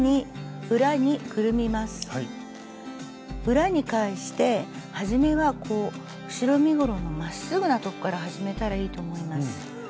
裏に返してはじめは後ろ身ごろのまっすぐな所から始めたらいいと思います。